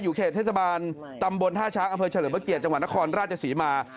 เขตเทศบาลตำบลท่าช้างอำเภอเฉลิมพระเกียรติจังหวัดนครราชศรีมา